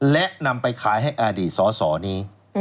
และนำไปขายให้อดีตสอสอนี้